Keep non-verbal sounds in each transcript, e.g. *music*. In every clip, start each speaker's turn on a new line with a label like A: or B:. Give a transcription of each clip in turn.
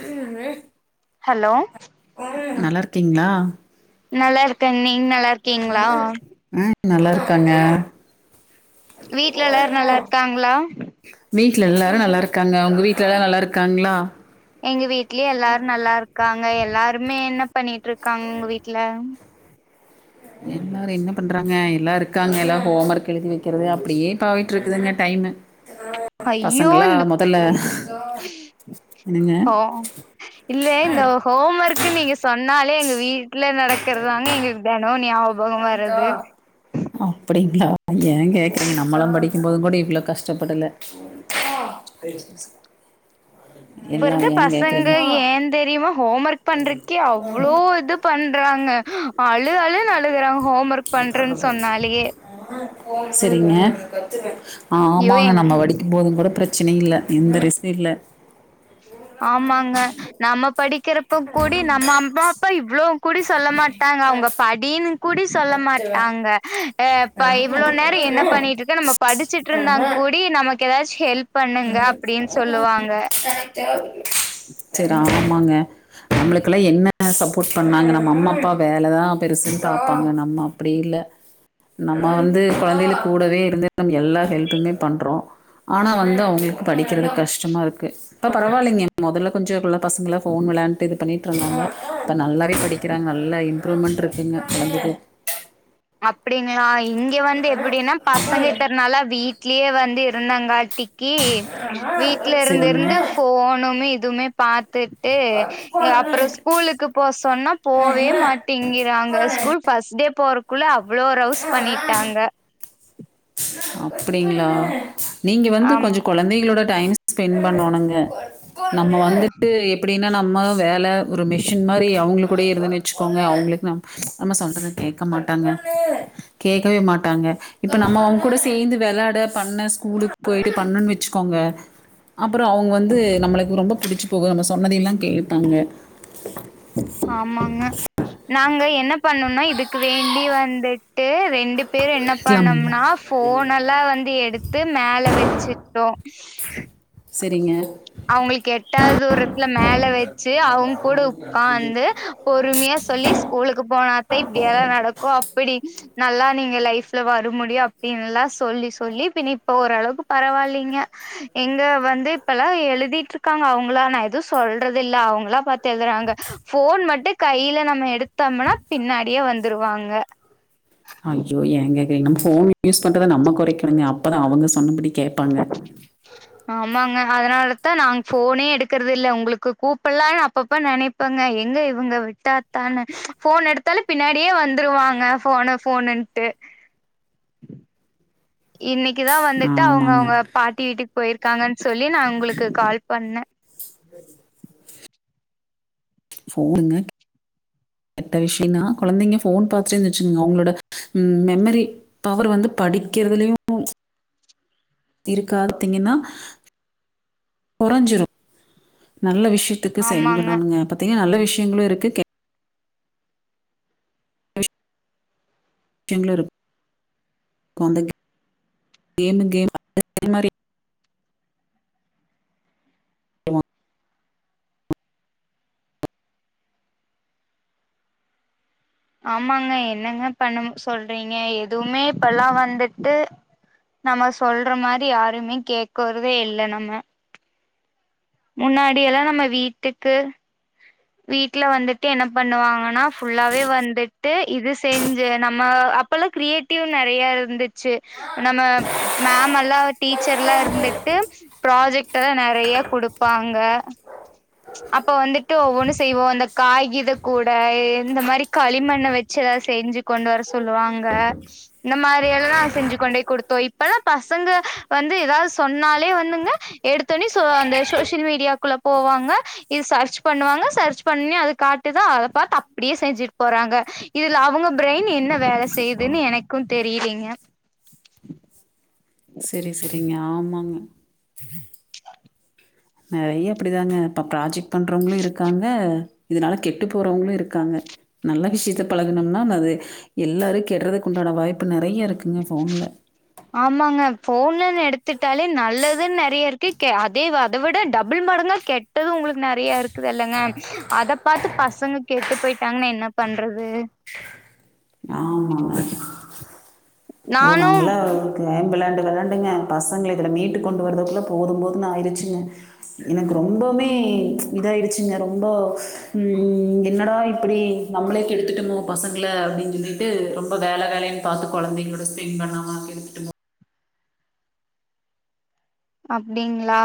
A: உம்
B: hello
A: நல்லார்க்கீங்ளா
B: நல்லாருக்கங் நீங் நல்லா ர்க்கீங்ளா
A: நல்லார்க்கங்க
B: வீட்ல எல்லாரு நல்லா ர்க்காங்ளா
A: வீட்ல எல்லாரு நல்லாருக்காங்க உங்க வீட்ல எல்லாரு நல்லருக்காங்ளா.
B: எங்க வீட்லயே எல்லாரு நல்லா இருக்காங்க. எல்லாருமே என்ன பண்ணிட்ருக்காங் உங்க வீட்ல.
A: எல்லாரு என்ன பண்றாங்க எல்லார் ருக்காங்க எல்லா ஹோம் ஒர்க் எழுதி வக்கறது அப்டியே போய்ட்டு இருக்குதுங்க டைமு.
B: அய்யோ
A: பசங்களா
B: இந்த
A: முதல்ல என்னங்க
B: ஹோ இல்லே இந்தொ ஹோம் ஒர்க்கு நீங்க சொன்னாலே எங்க வீட்ல நடக்கிறதாங்க எங்களுக்கு தெனோ ஞாபக
A: *unintelligible* தா அப்படிங்களா ஏ கேக்றீங்க நம்மளா படிக்கும்போது கூட இவ்ளோ கஷ்டப்படல *unintelligible*
B: இப்ப
A: எல்லாம்
B: இருக்க
A: ஏன்
B: பசங்க
A: கேக்குறீங்க
B: ஏ தெரியுமா ஹோம் ஒர்க் பண்றக்கே அவ்ளோ இது பண்றாங்க அழு அழுன்னு அழுதுறா ஹோம் ஒர்க் பண்றன்னு சொன்னாலயே
A: சரிங்க
B: ஐயோ
A: ஆமாங்க
B: எங்
A: நம்ம வடி போதும் கூட பிரச்சன இல்ல எந்த ரிசும் இல்ல
B: ஆமாங்க நம்ம படிக்கிறப்போ கூடி நம்ம அம்மாப்பா இவ்ளவ் கூடி சொல்ல மாட்ட மாட்டாங்க அவங்க படின்னு கூடி சொல்ல மாட்டாங்க இப்ப இவ்ளோ நேர என்ன பண்ணிட்ருக்க நம்ம படிச்சிட்ருந்தாங் கூடி நமக்கு ஏதாச்சு ஹெல்ப் பண்ணுங்க அப்டின் சொல்லுவாங்க.
A: சரி ஆமாங்க நம்மளுக்கெல்லா என்ன சப்போட் பண்ணாங்க நம்ம அம்மா அப்பா வேல தா பெருசுன்னு பாப்பாங்க நம்ம அப்டி இல்ல நம்ம வந்து கொழந்தைகள் கூடவே இருந்து நம்ம எல்லா ஹெல்ப்புமே பண்ணுறோ ஆனா வந்து அவங்களுக்கு படிக்கிறது கஷ்டமா ர்க்கு இப்ப பரவால்லங்க. மொதல்ல கொஞ்ச இப்ள்ள பசங்க போன் வெளாண்டுட்டு இது பண்ணிட்டு ந்தாங்க இப்போ நல்லாவே படிக்கிறாங்க நல்லா இம்ப்ரூவ்மெண்ட் ருக்குங்க குழந்தைக்கு
B: அப்டிங்களா இங்க வந்து எப்படின்னா பசங்க இத்தன் நாளா வீட்லயே வந்து இருந்தாங்காட்டிக் கி வீட்ல
A: சரிங்க
B: இருந்திருந்து ஃபோனுமே இதுமே பாத்துட்டு அப்புறொ ஸ்கூலுக்கு போ சொன்னா போவே மாட் திங்கிறாங்க ஸ்கூல் ஃபஸ்ட் டே போறக்குள்ள அவ்ளோ ரவுஸ் பண்ணிட்டாங்க
A: அப்டிங்ளா நீங்க வந்து
B: ஆமா
A: கொஞ்ச கொழந்தைகளோட டைம் ஸ்பெண்ட் பண்ணணுங்க. நம்ம வந்துட்டு எப்டின்னா நம்ம வேல ஒரு மெஷின் மாரி அவங்களு கூடே இருதுன்னு க்கோங்க அவுங்களுக்கு நம் நம்ம சொல்றது கேக் க மாட்டாங்க கேட்கவே மாட்டாங்க இப்ப நம்ம அவுங்க கூட சேந்து விளாட பண்ண ஸ்கூலுக்கு போய்ட்டு பண்ணோனு வச்சுக்கோங்க அப்றோ அவுங்க வந்து நம்மளுக்கு ரொம்ப புடிச்சி போகு நம்ம சொன்னதெல்லா கேப்பாங்க
B: ஆமாங்க நாங்க என்ன பண்ணுனா இதுக்கு வேண்டி வந்துட்டு ரெண்டு பேர் என்ன
A: வைக்கலாம்ல
B: பண்ணம்னா ஃபோன எல்லா வந்து எடுத்து மேல வச்சுட்டோ ஸ்சு
A: செரிங்க
B: அவுங்களுக்கு எட்டாது தூரத்துல மேல வச்சு அவுங்க கூட உக்காத்து பொறுமையா சொல்லி ஸ்கூலுக்கு போனாத்த இப்டியெல்லா நடக்கு அப்டி நல்லா நீங்க லைஃப்ல வர முடியு அப்டின்னு எல்லா சொல்லி சொல்லி பின்ன இப்ப ஓரளவுக்கு பரவால்லைங்க எங்க வந்து இப்பல்லா எழுதிட்டு இருக்காங்க அவுங்களா நா எதுவு சொல்றது இல்ல அவுங்களா பாத்து எழுதுறாங்க ஃபோன் மட்டு கையில நம்ம எடுத்தோம்னா பின்னாடியே வந்துருவாங்க
A: ஐயோ எங்கேக்குறிங் நம்ம ஃபோன் யூஸ் பண்றத நம்ம குறைக்கணுங்க அப்பதா அவுங்க சொன்னபடி கேட்பாங்க
B: ஆமாங்க அதனாலதா நாங் ஃபோனே எடுக்குறது இல்ல உங்களுக்கு கூப்டலாம்னு அப்பப்ப நெனை ப்பங்க எங்க இவ்ங்க விட்டாத்தான ஃபோன் எடுத்தாலே பின்னாடியே வந்துருவாங்க ஃபோனு ஃபோனுன்ட்டு இன்னைக்கிதா வந்துட்டு அவுங்க
A: ஆமாங்க
B: அவுங்க பாட்டி வீட்டுக்கு போய்ருக்காங்கன் சொல்லி நா உங்களுக்கு கால் பண்ணே
A: சுண்டெலி ஃபோனுங்க எத்த விஷ்யனா கொழந்தைங்க ஃபோன் பாத்தேட்டே *unintelligible* அவுங்களோட ம் மெமரி பவர் வந்து படிக்கிறதுலையு இருக்காத்தீங்கன்னா கொறஞ்சிடு நல்ல விஷ்ய த்துக்கு
B: ஆமாங்க
A: செயல்படுனுங்க பாத்தீங்க நல்ல விஷ்யங்களு இருக்கு கெ விஷ்யங்களு இருக்கு இந்த கேமு கேம் அது மாரி *unintelligible*
B: ஆமாங்க என்னங்க பண்ண சொல்றீங்க எதுவுமே இப்பல்லா வந்துட்டு நம்ம சொல்ற மாரி யாருமே கேக்குறதே இல்ல நம்ம முன்னாடி எல்லா நம்ம வீட்டுக்கு வீட்டுல வந்துட்டு என்ன பண்ணுவாங்கன்னா ஃபுல்லாவே வந்துட்டு இது செஞ்சு நம்ம அ ப்பல்லா கிரியேட்டிவ் நெறைய இருந்துச்சு நம்ம மேம் எல்லா டீச்சர் எல்லா இருந்துட்டு ப்ராஜெக்ட் எல்லா நெறைய குடுப் ப்பாங்க அப்ப வந்துட்டு ஒவ்வொன்னு செய்வோ அந்த காய்கீத கூட இந்த மாரி களிமண்ண வச் சி ஏதாவ்து செஞ்சு கொண்டு வர சொல்லுவாங்க. இந்த மாரி எல்லா செஞ்சு கொண்டேய் குடுத்தோ இப்பல்லா பசங்க வந்து ஏதாவ்து சொன்னாலே வந்துங்க எடுத்தோனே சோ அந்த சோசியல் மீடியாக்குள்ள போவாங்க. இது சர்ச் பண்ணுவாங்க சர்ச் பண்ணி அது காட்டுதா அத பாத்து அப்டியே செஞ்சுட் போறாங்க. இதுல அவுங்க பிரெயின் என்ன வேல செய்யுதுன்னு எனக்கு தெரியிலிங்க
A: செரி செரிங்க ஆமாங்க நெறைய அப்டிதாங்க இப்போ ப்ராஜெக்ட் பண்ணுறவங்களு இருக்காங்க. இதனால கெட்டு போறவங்களு இருக்காங்க. நல்ல விஷ்யத்த பழகுனம்னா நல்லது எல்லாரு கெட்டுறதுக்கு உண்டான வாய்ப்பு நெறைய இருக்குங்க ஃபோன்ல
B: ஆமாங்க ஃபோன்லன்னு எடுத்துட்டாலே நல்லது நெறைய இருக்கு கே அ தேவ் அத விட டபுள் மடங்கா கெட்டதும் உங்களுக்கு நெறைய இருக்குது இல்லங்க அத பாத்து பசங்க கெட்டு போயிட்டாங்கன்னா என்ன பண்றது
A: ஆமா ஓ
B: நானும்
A: நாங்களா கேம் வெளாண்டு வெளாண்டுங்க பசங்கள இதல மீட்டு கொண்டு வரதுக்குள்ள போதும்போதுன்னு ஆயிடுச்சுங்க எனக்கு ரொம்பவுமே இதாயிடுச்சுங்க ரொம்ப ம் என்னடா இப்புடி நம்மளே கெடுத்துட்டுமோ பசங்கள அப்டின் சொல்லிட்டு ரொம்ப வேல வேலன்னு பாத்து கொழந்தைங்களோட இன்ப நம்மோ கெடுத்துட்டோமோ
B: அப்டிங்ளா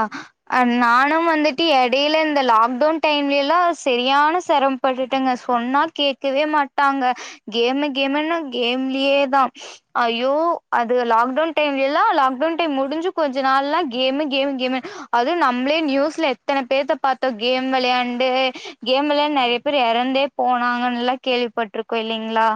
B: அ நானு வந்துட்டு எடையில இந்த லாக்டவுன் டைம்லல்லா செரியான செரம் பட்டுட்டேங்க சொன்னா கேட்கவே மாட்டாங்க கேமு கேமுன்னு கேம்லயே தா ஐயோ அது லாக்டவுன் டைம்லல்லா லாக்டவுன் டைம் முடிஞ்சு கொஞ்ச நாள்லா கேமு கேமு கேமு அதுவு நம்மளே நியூஸ்ல எத்தன பேர்த பாத்தோ கேம் வெளையாண்டு கேம்ல நெறைய பேர் எறந்தே போனாங்கன்லா கேள்விப்பட்டிருக்கோம் இல்லைங்ளா